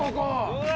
うわ！